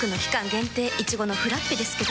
限定いちごのフラッペですけど。